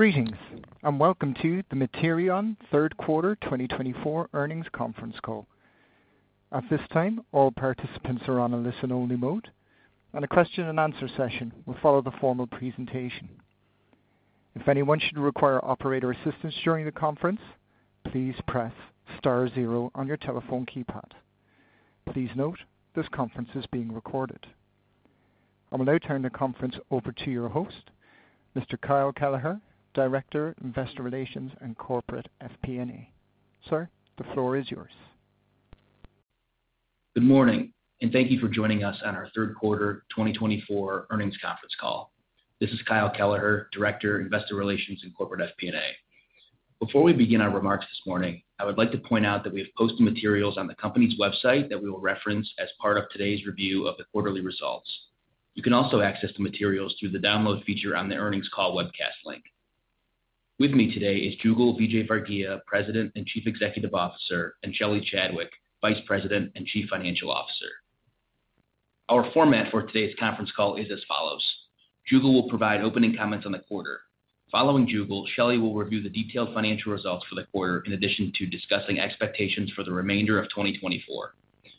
Greetings, and welcome to the Materion Q3 2024 Earnings Conference Call. At this time, all participants are on a listen-only mode, and the question-and-answer session will follow the formal presentation. If anyone should require operator assistance during the conference, please press star zero on your telephone keypad. Please note this conference is being recorded. I will now turn the conference over to your host, Mr. Kyle Kelleher, Director, Investor Relations, and Corporate FP&A. Sir, the floor is yours. Good morning, and thank you for joining us on our Third Quarter 2024 Earnings Conference Call. This is Kyle Kelleher, Director, Investor Relations, and Corporate FP&A. Before we begin our remarks this morning, I would like to point out that we have posted materials on the company's website that we will reference as part of today's review of the quarterly results. You can also access the materials through the download feature on the earnings call webcast link. With me today is Jugal Vijayvargiya, President and Chief Executive Officer, and Shelly Chadwick, Vice President and Chief Financial Officer. Our format for today's conference call is as follows: Jugal will provide opening comments on the quarter. Following Jugal, Shelly will review the detailed financial results for the quarter in addition to discussing expectations for the remainder of 2024.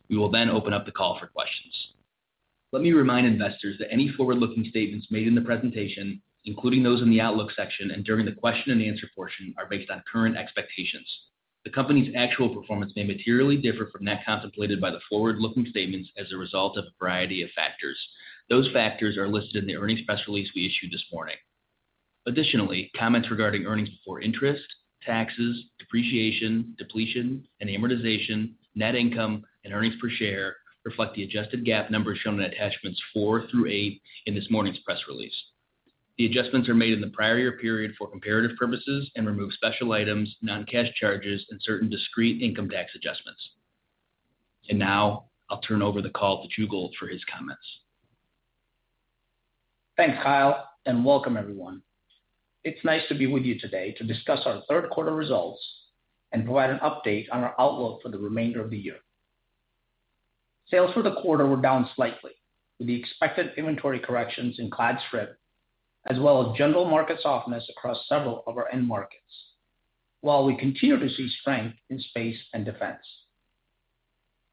We will then open up the call for questions. Let me remind investors that any forward-looking statements made in the presentation, including those in the outlook section and during the question-and-answer portion, are based on current expectations. The company's actual performance may materially differ from that contemplated by the forward-looking statements as a result of a variety of factors. Those factors are listed in the earnings press release we issued this morning. Additionally, comments regarding earnings before interest, taxes, depreciation, depletion, and amortization, net income, and earnings per share reflect the adjusted GAAP numbers shown in attachments four through eight in this morning's press release. The adjustments are made in the prior year period for comparative purposes and remove special items, non-cash charges, and certain discrete income tax adjustments. And now, I'll turn over the call to Jugal for his comments. Thanks, Kyle, and welcome, everyone. It's nice to be with you today to discuss our Q3 results and provide an update on our outlook for the remainder of the year. Sales for the quarter were down slightly, with the expected inventory corrections in clad strip, as well as general market softness across several of our end markets, while we continue to see strength in space and defense.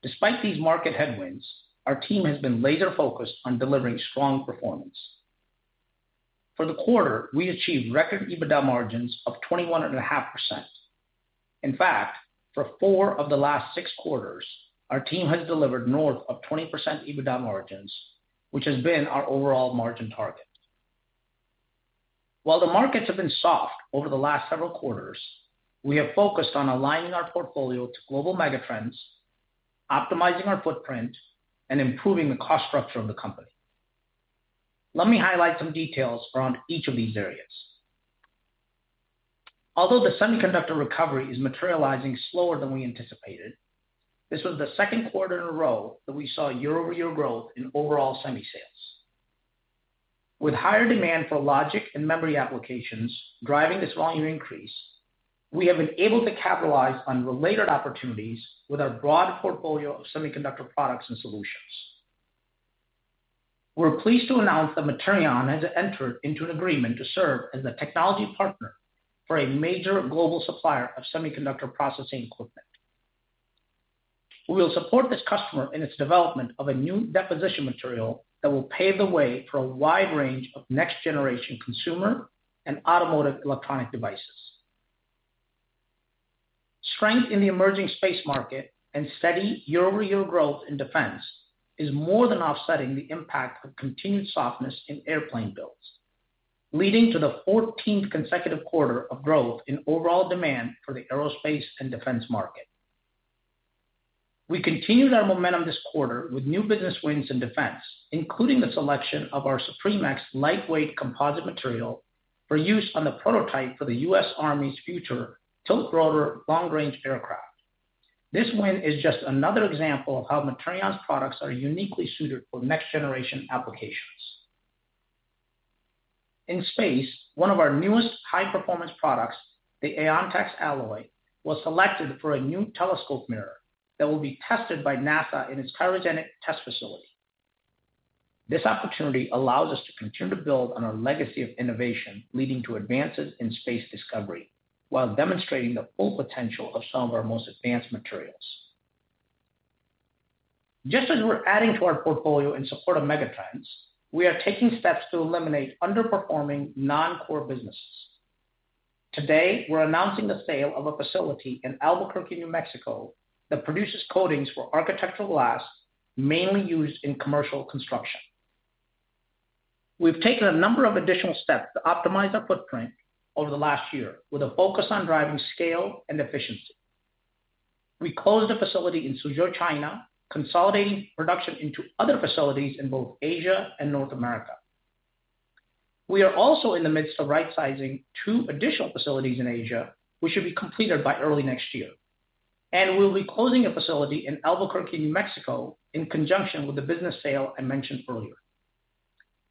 Despite these market headwinds, our team has been laser-focused on delivering strong performance. For the quarter, we achieved record EBITDA margins of 21.5%. In fact, for four of the last six quarters, our team has delivered north of 20% EBITDA margins, which has been our overall margin target. While the markets have been soft over the last several quarters, we have focused on aligning our portfolio to global megatrends, optimizing our footprint, and improving the cost structure of the company. Let me highlight some details around each of these areas. Although the semiconductor recovery is materializing slower than we anticipated, this was the second quarter in a row that we saw year-over-year growth in overall semi sales. With higher demand for logic and memory applications driving this volume increase, we have been able to capitalize on related opportunities with our broad portfolio of semiconductor products and solutions. We're pleased to announce that Materion has entered into an agreement to serve as the technology partner for a major global supplier of semiconductor processing equipment. We will support this customer in its development of a new deposition material that will pave the way for a wide range of next-generation consumer and automotive electronic devices. Strength in the emerging space market and steady year-over-year growth in defense is more than offsetting the impact of continued softness in airplane builds, leading to the 14th consecutive quarter of growth in overall demand for the aerospace and defense market. We continued our momentum this quarter with new business wins in defense, including the selection of our SupremEX lightweight composite material for use on the prototype for the U.S. Army's future tilt-rotor long-range aircraft. This win is just another example of how Materion's products are uniquely suited for next-generation applications. In space, one of our newest high-performance products, the AyontEX alloy, was selected for a new telescope mirror that will be tested by NASA in its cryogenic test facility. This opportunity allows us to continue to build on our legacy of innovation, leading to advances in space discovery while demonstrating the full potential of some of our most advanced materials. Just as we're adding to our portfolio in support of megatrends, we are taking steps to eliminate underperforming non-core businesses. Today, we're announcing the sale of a facility in Albuquerque, New Mexico, that produces coatings for architectural glass mainly used in commercial construction. We've taken a number of additional steps to optimize our footprint over the last year, with a focus on driving scale and efficiency. We closed a facility in Suzhou, China, consolidating production into other facilities in both Asia and North America. We are also in the midst of rightsizing two additional facilities in Asia, which should be completed by early next year, and we'll be closing a facility in Albuquerque, New Mexico, in conjunction with the business sale I mentioned earlier.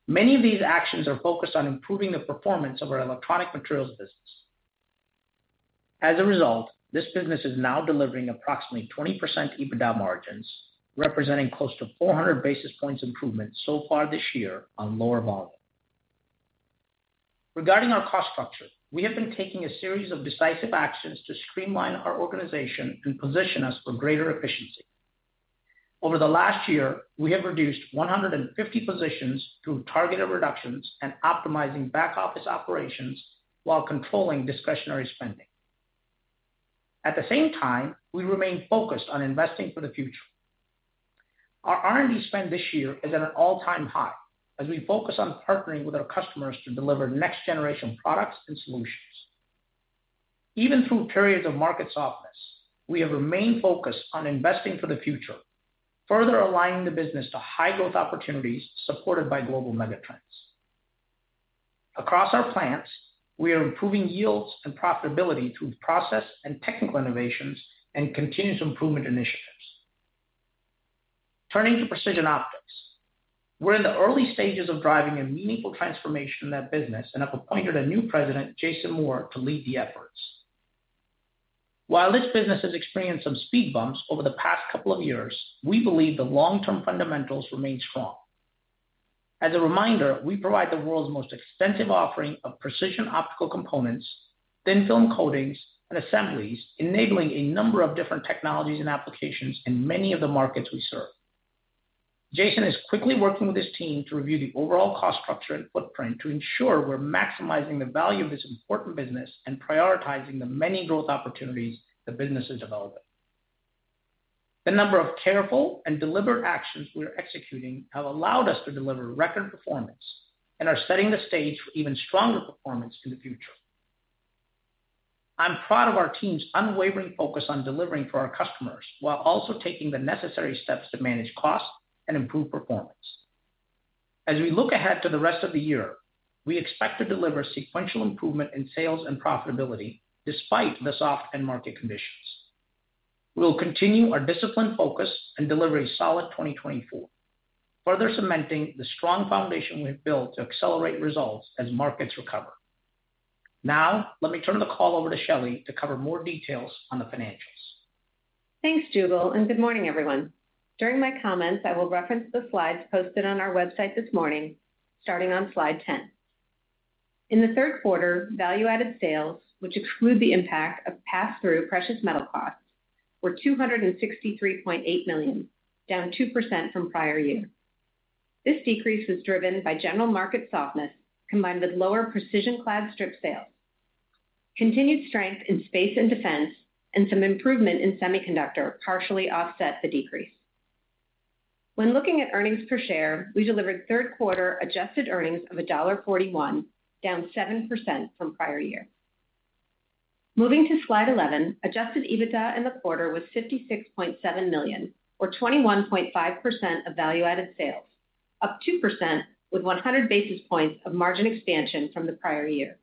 Many of these actions are focused on improving the performance of our electronic materials business. As a result, this business is now delivering approximately 20% EBITDA margins, representing close to 400 basis points improvement so far this year on lower volume. Regarding our cost structure, we have been taking a series of decisive actions to streamline our organization and position us for greater efficiency. Over the last year, we have reduced 150 positions through targeted reductions and optimizing back office operations while controlling discretionary spending. At the same time, we remain focused on investing for the future. Our R&D spend this year is at an all-time high as we focus on partnering with our customers to deliver next-generation products and solutions. Even through periods of market softness, we have remained focused on investing for the future, further aligning the business to high-growth opportunities supported by global megatrends. Across our plants, we are improving yields and profitability through process and technical innovations and continuous improvement initiatives. Turning to precision optics, we're in the early stages of driving a meaningful transformation in that business and have appointed a new president, Jason Moore, to lead the efforts. While this business has experienced some speed bumps over the past couple of years, we believe the long-term fundamentals remain strong. As a reminder, we provide the world's most extensive offering of precision optical components, thin-film coatings, and assemblies, enabling a number of different technologies and applications in many of the markets we serve. Jason is quickly working with his team to review the overall cost structure and footprint to ensure we're maximizing the value of this important business and prioritizing the many growth opportunities the business is developing. The number of careful and deliberate actions we are executing have allowed us to deliver record performance and are setting the stage for even stronger performance in the future. I'm proud of our team's unwavering focus on delivering for our customers while also taking the necessary steps to manage costs and improve performance. As we look ahead to the rest of the year, we expect to deliver sequential improvement in sales and profitability despite the soft end market conditions. We'll continue our disciplined focus and deliver a solid 2024, further cementing the strong foundation we have built to accelerate results as markets recover. Now, let me turn the call over to Shelly to cover more details on the financials. Thanks, Jugal, and good morning, everyone. During my comments, I will reference the slides posted on our website this morning, starting on slide 10. In the third quarter, value-added sales, which exclude the impact of pass-through precious metal costs, were $263.8 million, down 2% from prior year. This decrease was driven by general market softness combined with lower precision clad strip sales. Continued strength in space and defense and some improvement in semiconductor partially offset the decrease. When looking at earnings per share, we delivered third quarter adjusted earnings of $1.41, down 7% from prior year. Moving to slide 11, adjusted EBITDA in the quarter was $56.7 million, or 21.5% of value-added sales, up 2% with 100 basis points of margin expansion from the prior year.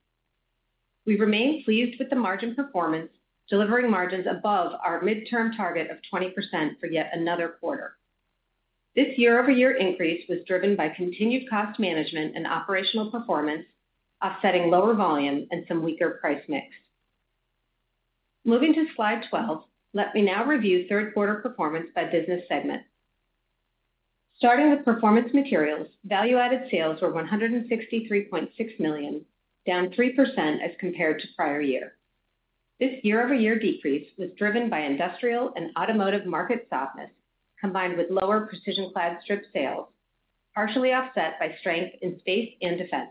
We remain pleased with the margin performance, delivering margins above our midterm target of 20% for yet another quarter. This year-over-year increase was driven by continued cost management and operational performance, offsetting lower volume and some weaker price mix. Moving to slide 12, let me now review third quarter performance by business segment. Starting with performance materials, value-added sales were $163.6 million, down 3% as compared to prior year. This year-over-year decrease was driven by industrial and automotive market softness combined with lower precision clad strip sales, partially offset by strength in space and defense.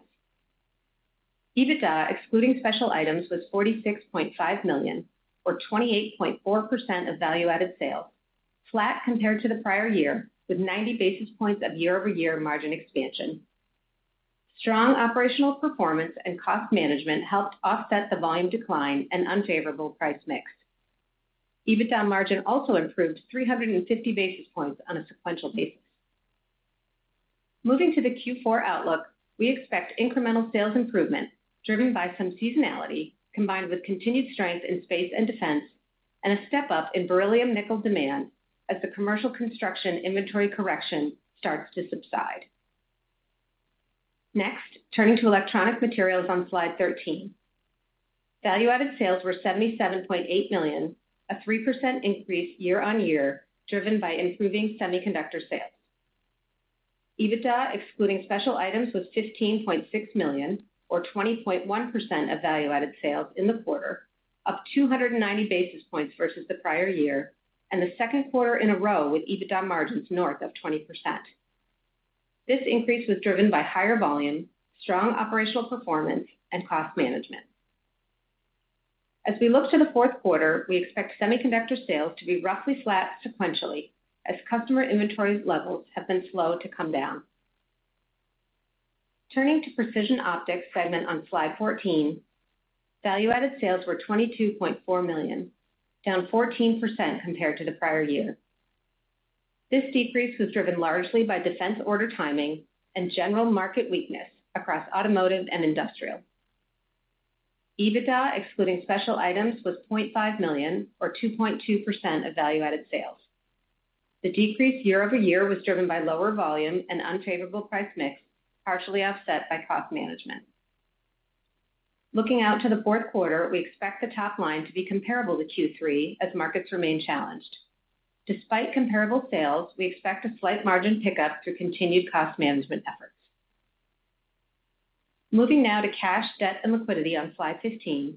EBITDA, excluding special items, was $46.5 million, or 28.4% of value-added sales, flat compared to the prior year with 90 basis points of year-over-year margin expansion. Strong operational performance and cost management helped offset the volume decline and unfavorable price mix. EBITDA margin also improved 350 basis points on a sequential basis. Moving to the Q4 outlook, we expect incremental sales improvement driven by some seasonality combined with continued strength in space and defense and a step-up in Beryllium Nickel demand as the commercial construction inventory correction starts to subside. Next, turning to electronic materials on slide 13, value-added sales were $77.8 million, a 3% increase year-on-year driven by improving semiconductor sales. EBITDA, excluding special items, was $15.6 million, or 20.1% of value-added sales in the quarter, up 290 basis points versus the prior year, and the second quarter in a row with EBITDA margins north of 20%. This increase was driven by higher volume, strong operational performance, and cost management. As we look to the Q4, we expect semiconductor sales to be roughly flat sequentially as customer inventory levels have been slow to come down. Turning to Precision Optics segment on slide 14, value-added sales were $22.4 million, down 14% compared to the prior year. This decrease was driven largely by defense order timing and general market weakness across automotive and industrial. EBITDA, excluding special items, was $0.5 million, or 2.2% of value-added sales. The decrease year-over-year was driven by lower volume and unfavorable price mix, partially offset by cost management. Looking out to the fourth quarter, we expect the top line to be comparable to Q3 as markets remain challenged. Despite comparable sales, we expect a slight margin pickup through continued cost management efforts. Moving now to cash, debt, and liquidity on slide 15,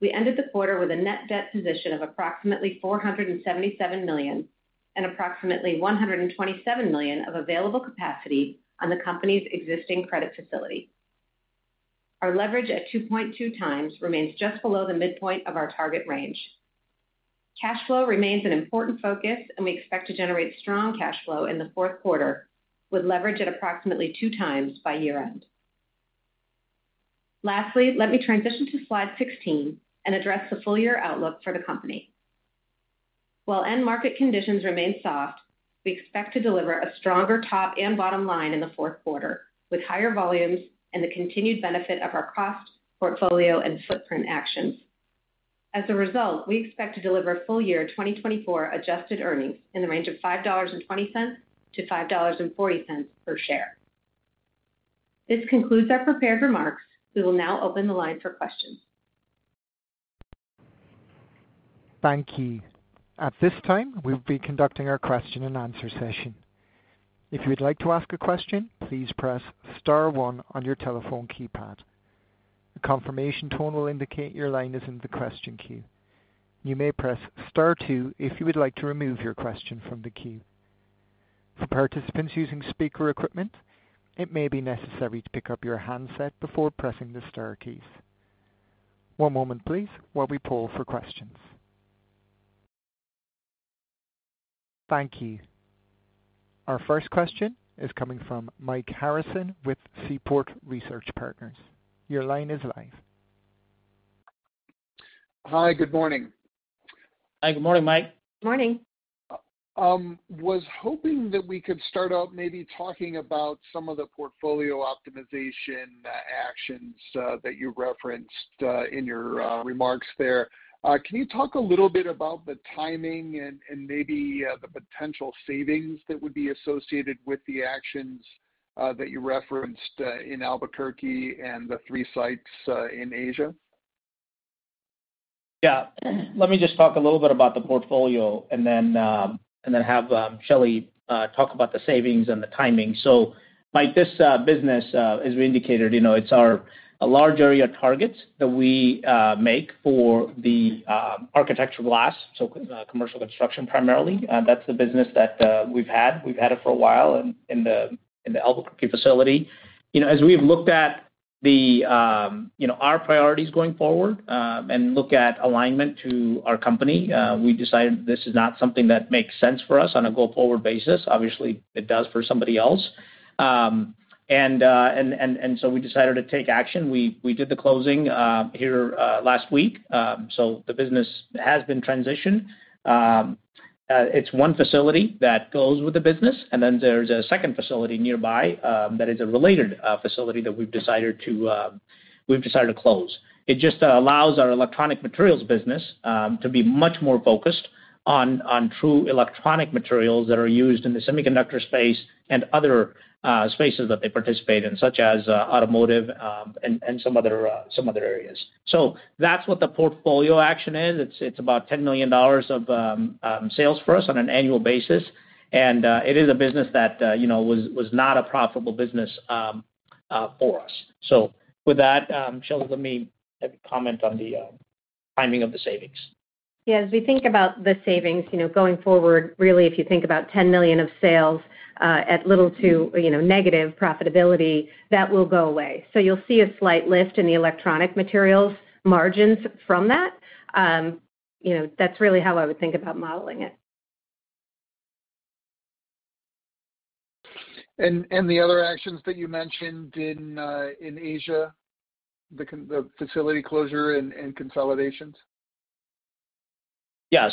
we ended the quarter with a net debt position of approximately $477 million and approximately $127 million of available capacity on the company's existing credit facility. Our leverage at 2.2x remains just below the midpoint of our target range. Cash flow remains an important focus, and we expect to generate strong cash flow in the Q4 with leverage at approximately 2x by year-end. Lastly, let me transition to slide 16 and address the full year outlook for the company. While end market conditions remain soft, we expect to deliver a stronger top and bottom line in the Q4 with higher volumes and the continued benefit of our cost, portfolio, and footprint actions. As a result, we expect to deliver full year 2024 adjusted earnings in the range of $5.20-$5.40 per share. This concludes our prepared remarks. We will now open the line for questions. Thank you. At this time, we will be conducting our question and answer session. If you would like to ask a question, please press Star 1 on your telephone keypad. A confirmation tone will indicate your line is in the question queue. You may press Star 2 if you would like to remove your question from the queue. For participants using speaker equipment, it may be necessary to pick up your handset before pressing the Star keys. One moment, please, while we poll for questions. Thank you. Our first question is coming from Mike Harrison with Seaport Research Partners. Your line is live. Hi, good morning. Hi, good morning, Mike. Good morning. I was hoping that we could start out maybe talking about some of the portfolio optimization actions that you referenced in your remarks there. Can you talk a little bit about the timing and maybe the potential savings that would be associated with the actions that you referenced in Albuquerque and the three sites in Asia? Yeah. Let me just talk a little bit about the portfolio and then have Shelly talk about the savings and the timing. So, Mike, this business, as we indicated, it's our Large Area Targets that we make for the architectural glass, so commercial construction primarily. That's the business that we've had. We've had it for a while in the Albuquerque facility. As we've looked at our priorities going forward and looked at alignment to our company, we decided this is not something that makes sense for us on a go-forward basis. Obviously, it does for somebody else. And so we decided to take action. We did the closing here last week. So the business has been transitioned. It's one facility that goes with the business, and then there's a second facility nearby that is a related facility that we've decided to close. It just allows our electronic materials business to be much more focused on true electronic materials that are used in the semiconductor space and other spaces that they participate in, such as automotive and some other areas. So that's what the portfolio action is. It's about $10 million of sales for us on an annual basis, and it is a business that was not a profitable business for us. So with that, Shelly, let me comment on the timing of the savings. Yeah. As we think about the savings going forward, really, if you think about $10 million of sales at little to negative profitability, that will go away. So you'll see a slight lift in the electronic materials margins from that. That's really how I would think about modeling it. The other actions that you mentioned in Asia, the facility closure and consolidations? Yeah.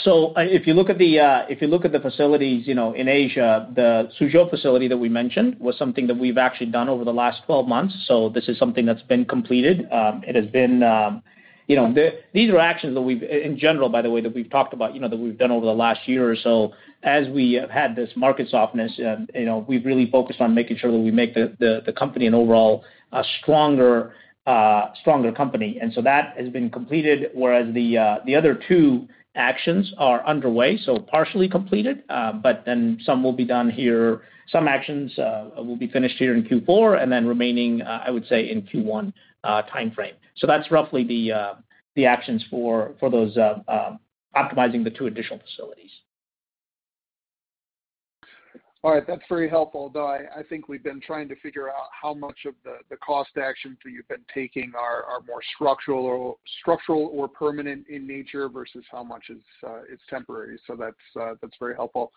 So if you look at the facilities in Asia, the Suzhou facility that we mentioned was something that we've actually done over the last 12 months. So this is something that's been completed. It has been. These are actions that we've, in general, by the way, that we've talked about that we've done over the last year or so. As we have had this market softness, we've really focused on making sure that we make the company an overall stronger company. And so that has been completed, whereas the other two actions are underway, so partially completed, but then some will be done here. Some actions will be finished here in Q4 and then remaining, I would say, in Q1 timeframe. So that's roughly the actions for optimizing the two additional facilities. All right. That's very helpful, though I think we've been trying to figure out how much of the cost actions that you've been taking are more structural or permanent in nature versus how much is temporary. So that's very helpful.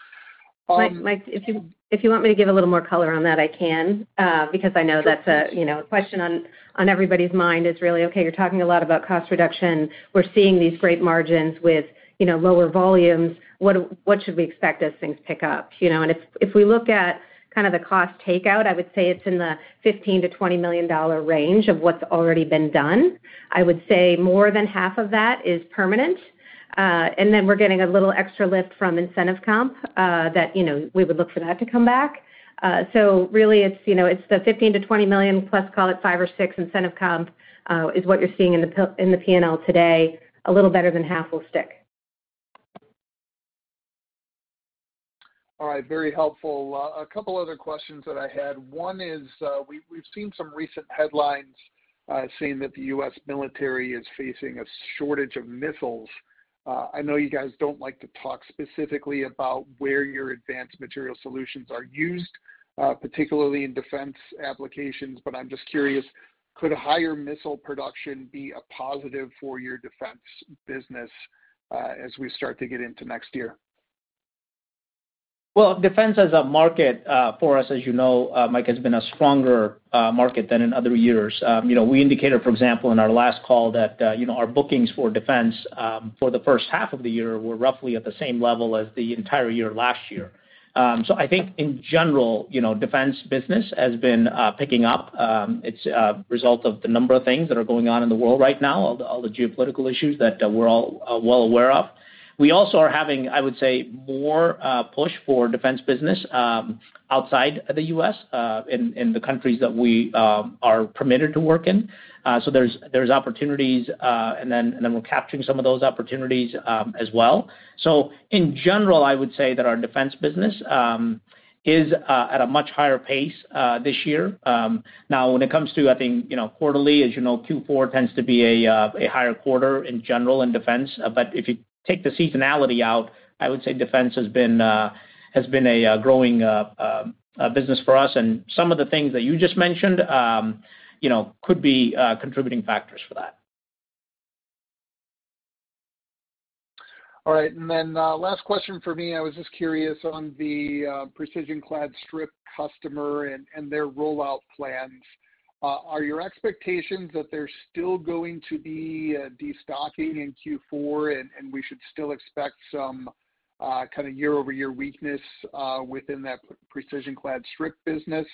Mike, if you want me to give a little more color on that, I can, because I know that's a question on everybody's mind is really, "Okay, you're talking a lot about cost reduction. We're seeing these great margins with lower volumes. What should we expect as things pick up?" And if we look at kind of the cost takeout, I would say it's in the $15-$20 million range of what's already been done. I would say more than half of that is permanent. And then we're getting a little extra lift from incentive comp that we would look for that to come back. So really, it's the $15-$20 million plus, call it $5 or $6 incentive comp is what you're seeing in the P&L today. A little better than half will stick. All right. Very helpful. A couple other questions that I had. One is we've seen some recent headlines saying that the U.S. military is facing a shortage of missiles. I know you guys don't like to talk specifically about where your advanced material solutions are used, particularly in defense applications, but I'm just curious, could higher missile production be a positive for your defense business as we start to get into next year? Defense as a market for us, as you know, Mike, has been a stronger market than in other years. We indicated, for example, in our last call that our bookings for defense for the first half of the year were roughly at the same level as the entire year last year. So I think, in general, defense business has been picking up. It's a result of the number of things that are going on in the world right now, all the geopolitical issues that we're all well aware of. We also are having, I would say, more push for defense business outside of the U.S. in the countries that we are permitted to work in. So there's opportunities, and then we're capturing some of those opportunities as well. So in general, I would say that our defense business is at a much higher pace this year. Now, when it comes to, I think, quarterly, as you know, Q4 tends to be a higher quarter in general in defense. But if you take the seasonality out, I would say defense has been a growing business for us. And some of the things that you just mentioned could be contributing factors for that. All right. And then last question for me. I was just curious on the precision clad strip customer and their rollout plans. Are your expectations that there's still going to be destocking in Q4, and we should still expect some kind of year-over-year weakness within that precision clad strip business,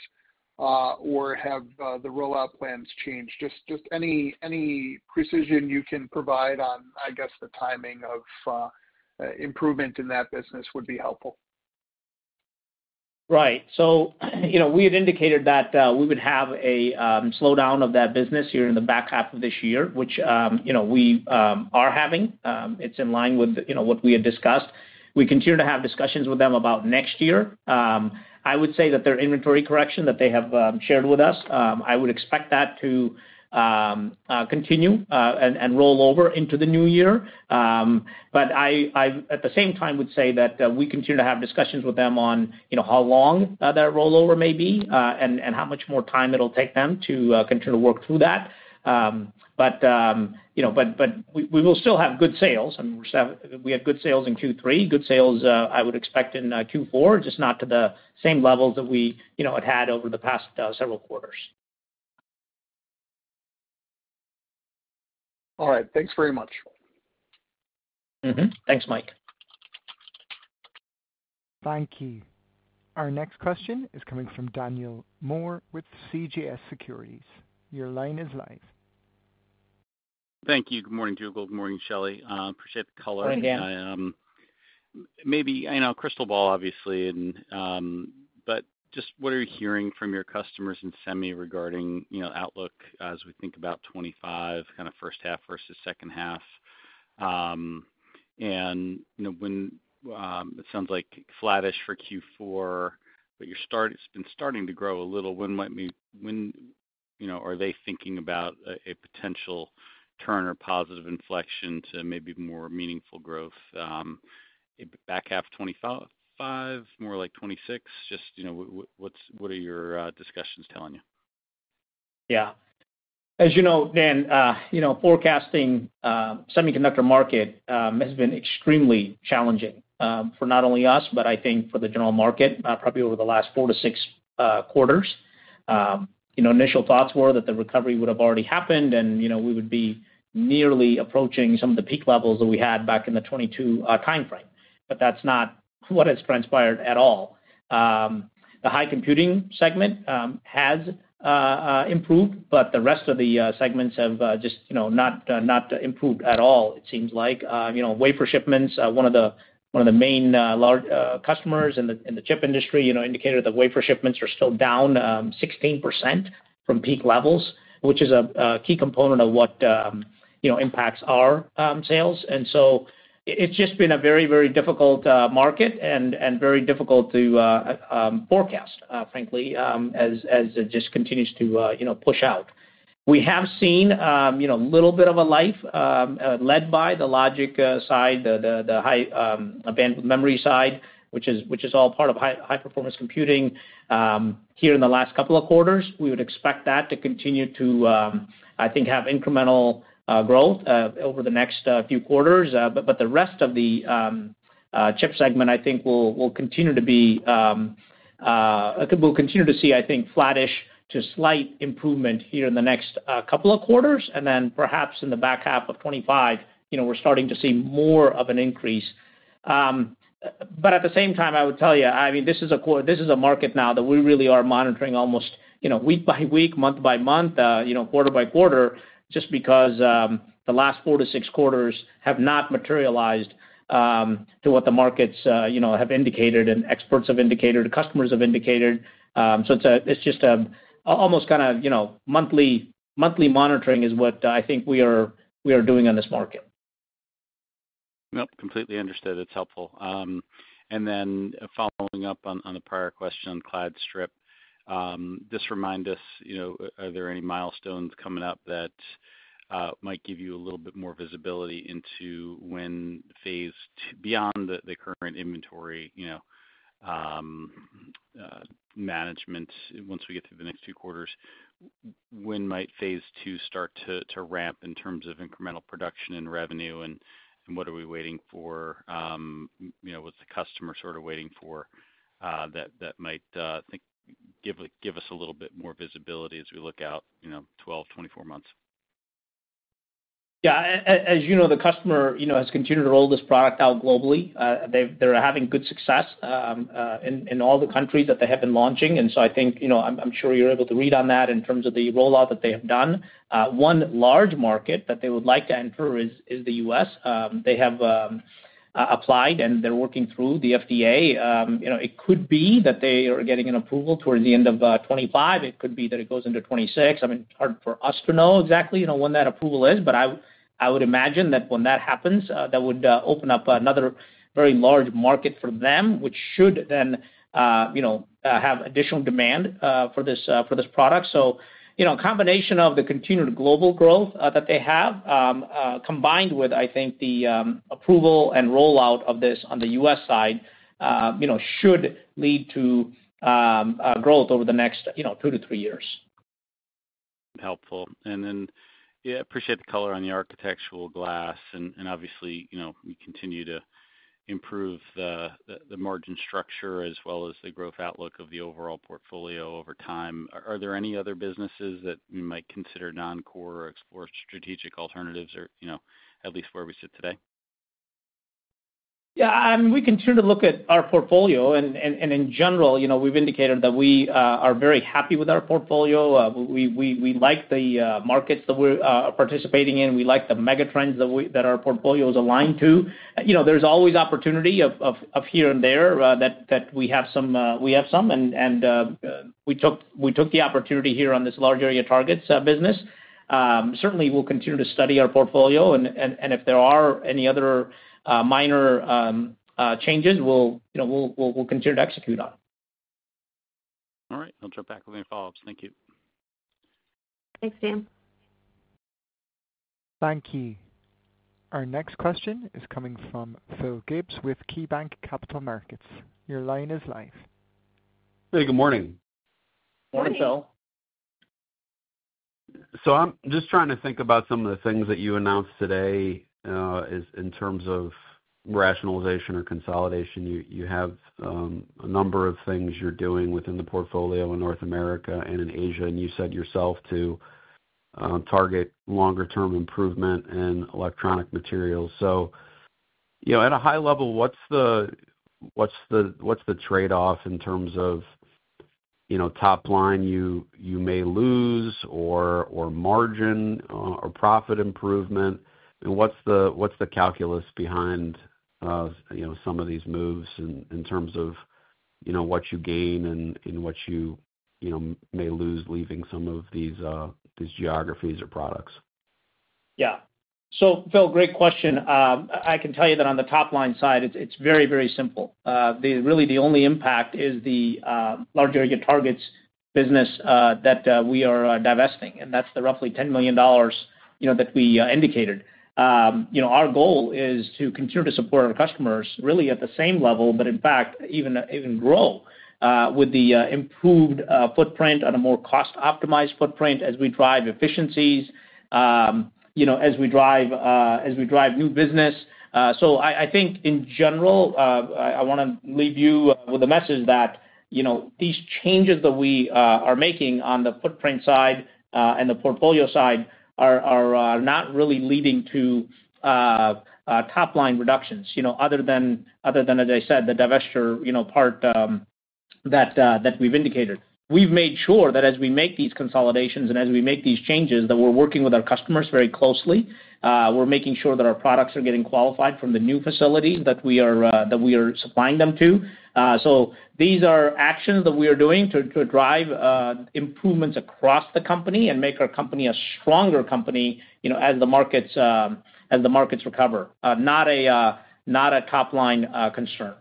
or have the rollout plans changed? Just any precision you can provide on, I guess, the timing of improvement in that business would be helpful. Right. So we had indicated that we would have a slowdown of that business here in the back half of this year, which we are having. It's in line with what we had discussed. We continue to have discussions with them about next year. I would say that their inventory correction that they have shared with us, I would expect that to continue and roll over into the new year. But I, at the same time, would say that we continue to have discussions with them on how long that rollover may be and how much more time it'll take them to continue to work through that. But we will still have good sales. We had good sales in Q3, good sales, I would expect, in Q4, just not to the same levels that we had had over the past several quarters. All right. Thanks very much. Thanks, Mike. Thank you. Our next question is coming from Daniel Moore with CJS Securities. Your line is live. Thank you. Good morning, Joe. Good morning, Shelly. Appreciate the call. Hi, Dan. Maybe I know crystal ball, obviously, but just what are you hearing from your customers in semi regarding outlook as we think about 2025, kind of first half versus second half? And it sounds like flattish for Q4, but it's been starting to grow a little. When are they thinking about a potential turn or positive inflection to maybe more meaningful growth back half 2025, more like 2026? Just what are your discussions telling you? Yeah. As you know, Dan, forecasting semiconductor market has been extremely challenging for not only us, but I think for the general market, probably over the last four to six quarters. Initial thoughts were that the recovery would have already happened and we would be nearly approaching some of the peak levels that we had back in the 2022 timeframe. But that's not what has transpired at all. The high computing segment has improved, but the rest of the segments have just not improved at all, it seems like. Wafer Shipments, one of the main large customers in the chip industry, indicated that Wafer Shipments are still down 16% from peak levels, which is a key component of what impacts our sales, and so it's just been a very, very difficult market and very difficult to forecast, frankly, as it just continues to push out. We have seen a little bit of an uplift led by the logic side, the high bandwidth memory side, which is all part of high-performance computing. Here in the last couple of quarters, we would expect that to continue to, I think, have incremental growth over the next few quarters. But the rest of the chip segment, I think, will continue to be flattish to slight improvement here in the next couple of quarters. We'll continue to see, I think. And then perhaps in the back half of 2025, we're starting to see more of an increase. But at the same time, I would tell you, I mean, this is a market now that we really are monitoring almost week by week, month by month, quarter by quarter, just because the last four to six quarters have not materialized to what the markets have indicated and experts have indicated, customers have indicated. So it's just almost kind of monthly monitoring is what I think we are doing on this market. No, completely understood. It's helpful. And then following up on the prior question on clad strip, just remind us, are there any milestones coming up that might give you a little bit more visibility into when phase beyond the current inventory management, once we get through the next two quarters, when might phase two start to ramp in terms of incremental production and revenue? And what are we waiting for? What's the customer sort of waiting for that might give us a little bit more visibility as we look out 12-24 months? Yeah. As you know, the customer has continued to roll this product out globally. They're having good success in all the countries that they have been launching. And so I think I'm sure you're able to read on that in terms of the rollout that they have done. One large market that they would like to enter is the U.S. They have applied, and they're working through the FDA. It could be that they are getting an approval towards the end of 2025. It could be that it goes into 2026. I mean, it's hard for us to know exactly when that approval is, but I would imagine that when that happens, that would open up another very large market for them, which should then have additional demand for this product. So a combination of the continued global growth that they have, combined with, I think, the approval and rollout of this on the U.S. side, should lead to growth over the next two to three years. Helpful. And then yeah, appreciate the color on the architectural glass. And obviously, we continue to improve the margin structure as well as the growth outlook of the overall portfolio over time. Are there any other businesses that we might consider non-core or explore strategic alternatives, at least where we sit today? Yeah. I mean, we continue to look at our portfolio. And in general, we've indicated that we are very happy with our portfolio. We like the markets that we're participating in. We like the megatrends that our portfolio is aligned to. There's always opportunities here and there that we have some. And we took the opportunity here on this Large Area Targets business. Certainly, we'll continue to study our portfolio. And if there are any other minor changes, we'll continue to execute on it. All right. I'll jump back with any follow-ups. Thank you. Thanks, Dan. Thank you. Our next question is coming from Phil Gibbs with KeyBank Capital Markets. Your line is live. Hey, good morning. Morning, Phil. So I'm just trying to think about some of the things that you announced today in terms of rationalization or consolidation. You have a number of things you're doing within the portfolio in North America and in Asia. And you said yourself to target longer-term improvement in electronic materials. So at a high level, what's the trade-off in terms of top line you may lose or margin or profit improvement? And what's the calculus behind some of these moves in terms of what you gain and what you may lose leaving some of these geographies or products? Yeah. So, Phil, great question. I can tell you that on the top line side, it's very, very simple. Really, the only impact is the large area targets business that we are divesting. And that's the roughly $10 million that we indicated. Our goal is to continue to support our customers really at the same level, but in fact, even grow with the improved footprint on a more cost-optimized footprint as we drive efficiencies, as we drive new business. So I think, in general, I want to leave you with a message that these changes that we are making on the footprint side and the portfolio side are not really leading to top line reductions other than, as I said, the divestiture part that we've indicated. We've made sure that as we make these consolidations and as we make these changes, that we're working with our customers very closely. We're making sure that our products are getting qualified from the new facilities that we are supplying them to, so these are actions that we are doing to drive improvements across the company and make our company a stronger company as the markets recover, not a top line concern.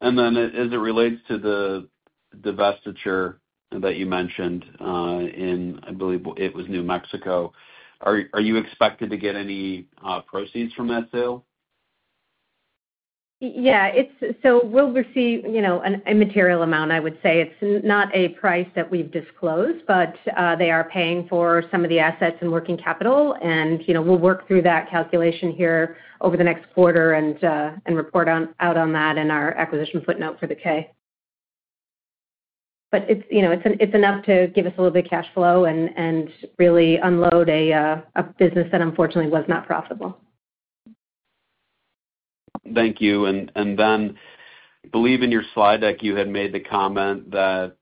And then, as it relates to the divestiture that you mentioned in, I believe it was New Mexico, are you expected to get any proceeds from that sale? Yeah. So we'll receive an immaterial amount, I would say. It's not a price that we've disclosed, but they are paying for some of the assets and working capital. And we'll work through that calculation here over the next quarter and report out on that in our acquisition footnote for the K. But it's enough to give us a little bit of cash flow and really unload a business that unfortunately was not profitable. Thank you, and then I believe in your slide deck, you had made the comment that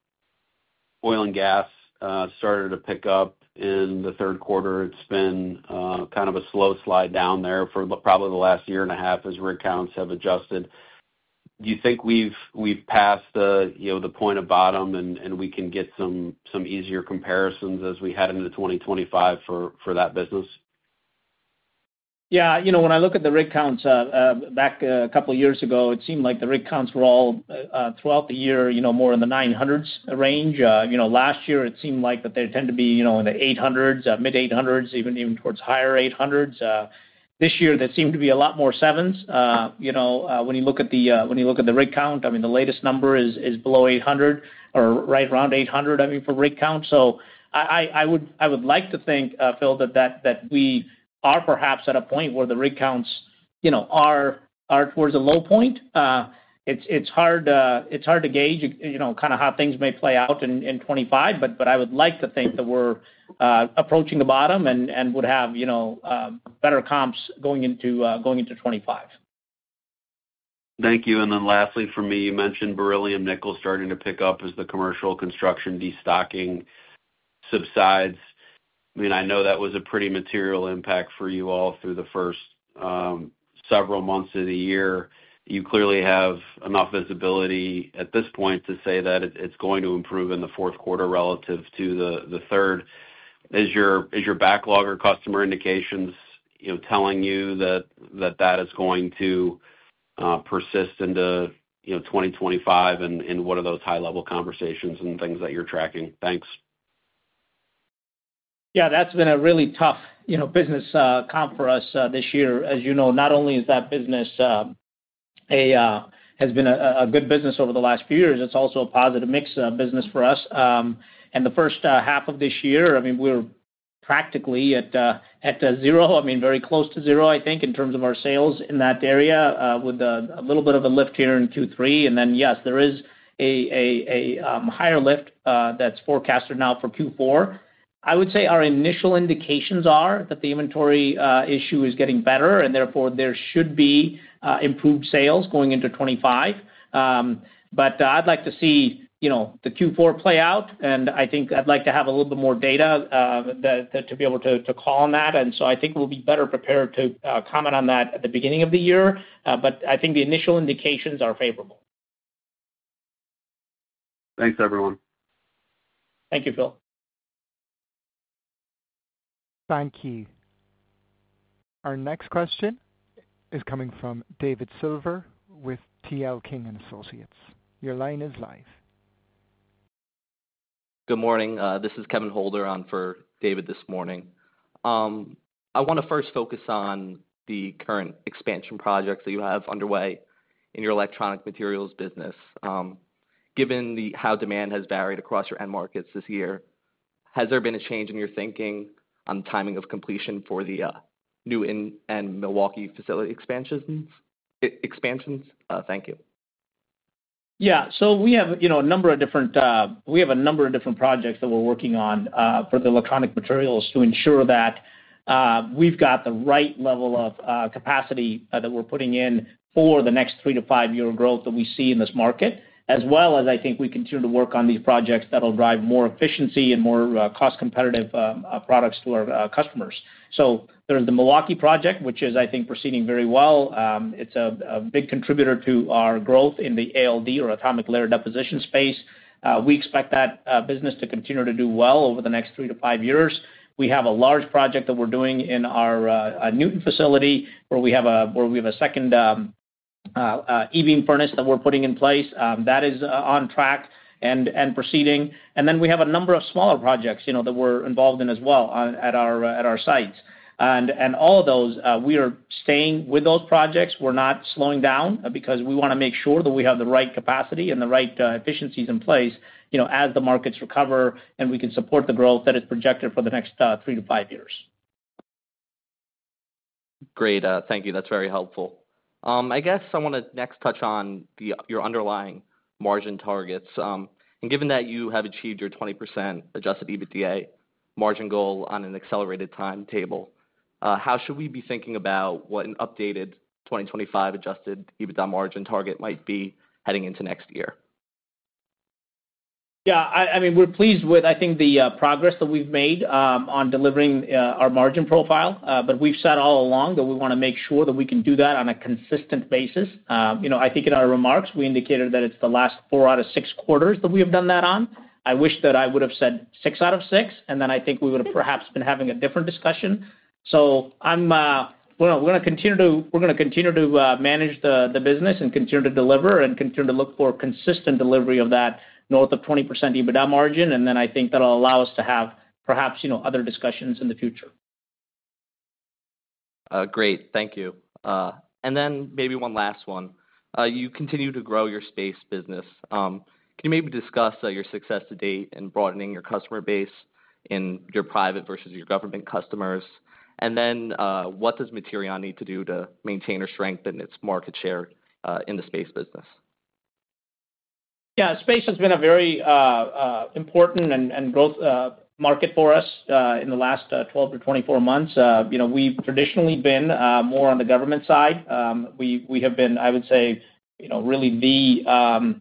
oil and gas started to pick up in the third quarter. It's been kind of a slow slide down there for probably the last year and a half as rig counts have adjusted. Do you think we've passed the point of bottom and we can get some easier comparisons as we head into 2025 for that business? Yeah. When I look at the rig counts back a couple of years ago, it seemed like the rig counts were all throughout the year more in the 900s range. Last year, it seemed like that they tend to be in the 800s, mid-800s, even towards higher 800s. This year, there seemed to be a lot more 7s. When you look at the rig count, I mean, the latest number is below 800 or right around 800, I mean, for rig counts. So I would like to think, Phil, that we are perhaps at a point where the rig counts are towards a low point. It's hard to gauge kind of how things may play out in 2025, but I would like to think that we're approaching the bottom and would have better comps going into 2025. Thank you. And then lastly, for me, you mentioned beryllium nickel starting to pick up as the commercial construction destocking subsides. I mean, I know that was a pretty material impact for you all through the first several months of the year. You clearly have enough visibility at this point to say that it's going to improve in the fourth quarter relative to the third. Is your backlog or customer indications telling you that that is going to persist into 2025? And what are those high-level conversations and things that you're tracking? Thanks. Yeah. That's been a really tough business comp for us this year. As you know, not only is that business has been a good business over the last few years, it's also a positive mix business for us. And the first half of this year, I mean, we're practically at zero. I mean, very close to zero, I think, in terms of our sales in that area with a little bit of a lift here in Q3. And then, yes, there is a higher lift that's forecasted now for Q4. I would say our initial indications are that the inventory issue is getting better, and therefore there should be improved sales going into 2025. But I'd like to see the Q4 play out. And I think I'd like to have a little bit more data to be able to call on that. And so I think we'll be better prepared to comment on that at the beginning of the year. But I think the initial indications are favorable. Thanks, everyone. Thank you, Phil. Thank you. Our next question is coming from David Silver with C.L. King & Associates. Your line is live. Good morning. This is Kevin Holder on for David this morning. I want to first focus on the current expansion projects that you have underway in your electronic materials business. Given how demand has varied across your end markets this year, has there been a change in your thinking on the timing of completion for the new in Milwaukee facility expansions? Thank you. Yeah. So we have a number of different projects that we're working on for the electronic materials to ensure that we've got the right level of capacity that we're putting in for the next three- to five-year growth that we see in this market, as well as I think we continue to work on these projects that will drive more efficiency and more cost-competitive products to our customers. So there's the Milwaukee project, which is, I think, proceeding very well. It's a big contributor to our growth in the ALD or atomic layer deposition space. We expect that business to continue to do well over the next three to five years. We have a large project that we're doing in our Newton facility where we have a second e-Beam furnace that we're putting in place. That is on track and proceeding. And then we have a number of smaller projects that we're involved in as well at our sites. And all of those, we are staying with those projects. We're not slowing down because we want to make sure that we have the right capacity and the right efficiencies in place as the markets recover and we can support the growth that is projected for the next three to five years. Great. Thank you. That's very helpful. I guess I want to next touch on your underlying margin targets. And given that you have achieved your 20% adjusted EBITDA margin goal on an accelerated timetable, how should we be thinking about what an updated 2025 adjusted EBITDA margin target might be heading into next year? Yeah. I mean, we're pleased with, I think, the progress that we've made on delivering our margin profile. But we've said all along that we want to make sure that we can do that on a consistent basis. I think in our remarks, we indicated that it's the last four out of six quarters that we have done that on. I wish that I would have said six out of six, and then I think we would have perhaps been having a different discussion. So we're going to continue to manage the business and continue to deliver and continue to look for consistent delivery of that north of 20% EBITDA margin. And then I think that'll allow us to have perhaps other discussions in the future. Great. Thank you. And then maybe one last one. You continue to grow your space business. Can you maybe discuss your success to date in broadening your customer base in your private versus your government customers? And then what does Materion need to do to maintain or strengthen its market share in the space business? Yeah. Space has been a very important and growth market for us in the last 12 to 24 months. We've traditionally been more on the government side. We have been, I would say, really the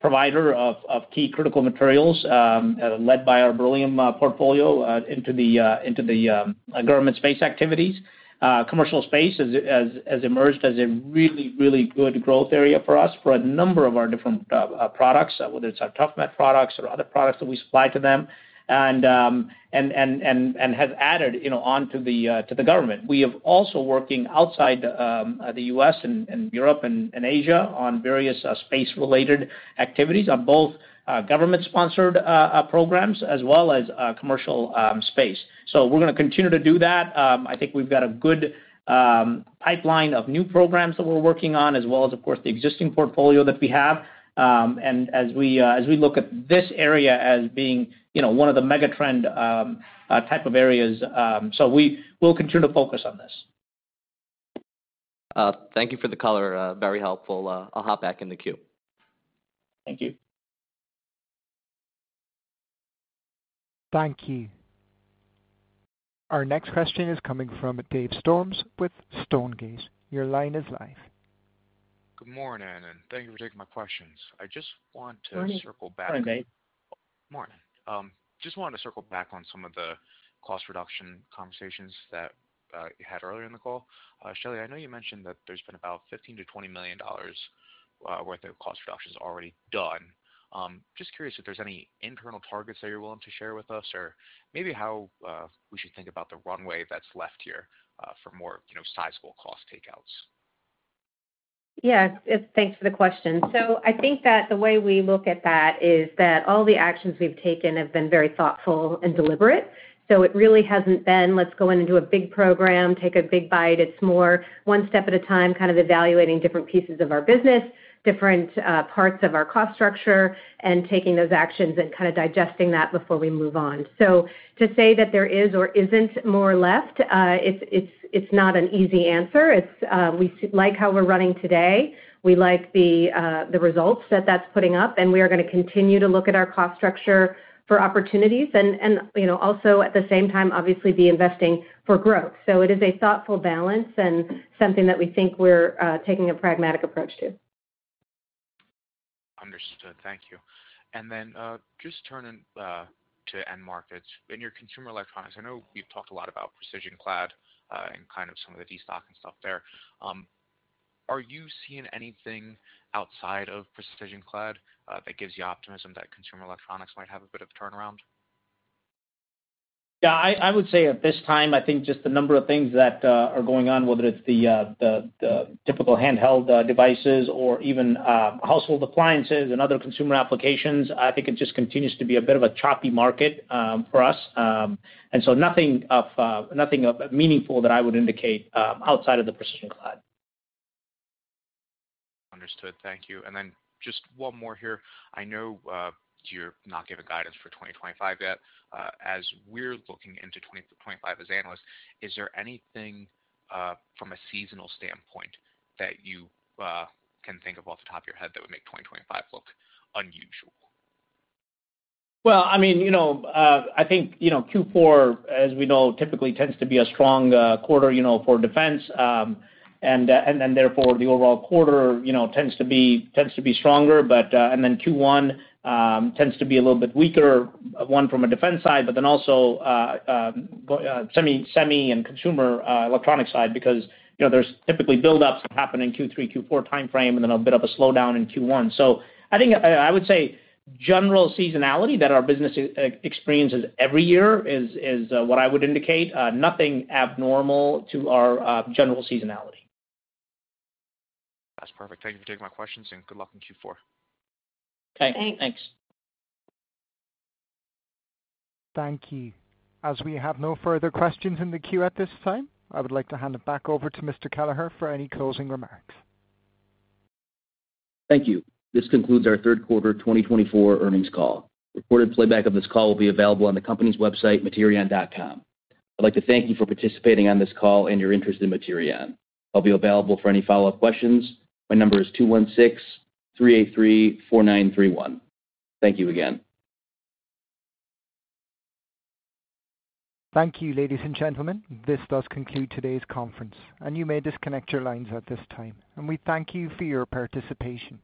provider of key critical materials led by our beryllium portfolio into the government space activities. Commercial space has emerged as a really, really good growth area for us for a number of our different products, whether it's our ToughMet products or other products that we supply to them, and has added on to the government. We have also been working outside the U.S. and Europe and Asia on various space-related activities on both government-sponsored programs as well as commercial space. So we're going to continue to do that. I think we've got a good pipeline of new programs that we're working on as well as, of course, the existing portfolio that we have. As we look at this area as being one of the megatrend type of areas, so we will continue to focus on this. Thank you for the color. Very helpful. I'll hop back in the queue. Thank you. Thank you. Our next question is coming from Dave Storms with Stonegate. Your line is live. Good morning, and thank you for taking my questions. I just want to circle back. Morning, Dave. Morning. Just wanted to circle back on some of the cost reduction conversations that you had earlier in the call. Shelly, I know you mentioned that there's been about $15-$20 million worth of cost reductions already done. Just curious if there's any internal targets that you're willing to share with us or maybe how we should think about the runway that's left here for more sizable cost takeouts? Yes. Thanks for the question. So I think that the way we look at that is that all the actions we've taken have been very thoughtful and deliberate. So it really hasn't been, "Let's go in and do a big program, take a big bite." It's more one step at a time, kind of evaluating different pieces of our business, different parts of our cost structure, and taking those actions and kind of digesting that before we move on. So to say that there is or isn't more left, it's not an easy answer. We like how we're running today. We like the results that that's putting up. And we are going to continue to look at our cost structure for opportunities and also, at the same time, obviously, be investing for growth. So it is a thoughtful balance and something that we think we're taking a pragmatic approach to. Understood. Thank you. And then just turning to end markets. In your consumer electronics, I know we've talked a lot about precision clad and kind of some of the destocking stuff there. Are you seeing anything outside of precision clad that gives you optimism that consumer electronics might have a bit of a turnaround? Yeah. I would say at this time, I think just the number of things that are going on, whether it's the typical handheld devices or even household appliances and other consumer applications, I think it just continues to be a bit of a choppy market for us. And so nothing meaningful that I would indicate outside of the precision clad. Understood. Thank you. And then just one more here. I know you're not given guidance for 2025 yet. As we're looking into 2025 as analysts, is there anything from a seasonal standpoint that you can think of off the top of your head that would make 2025 look unusual? Well, I mean, I think Q4, as we know, typically tends to be a strong quarter for defense. And then, therefore, the overall quarter tends to be stronger. And then Q1 tends to be a little bit weaker, one from a defense side, but then also semi and consumer electronics side because there's typically buildups that happen in Q3, Q4 timeframe, and then a bit of a slowdown in Q1. So I think I would say general seasonality that our business experiences every year is what I would indicate. Nothing abnormal to our general seasonality. That's perfect. Thank you for taking my questions, and good luck in Q4. Okay. Thanks. Thank you. As we have no further questions in the queue at this time, I would like to hand it back over to Mr. Kelleher for any closing remarks. Thank you. This concludes our Third Quarter 2024 Earnings Call. Recorded playback of this call will be available on the company's website, materion.com. I'd like to thank you for participating on this call and your interest in Materion. I'll be available for any follow-up questions. My number is 216-383-4931. Thank you again. Thank you, ladies and gentlemen. This does conclude today's conference, and you may disconnect your lines at this time. And we thank you for your participation.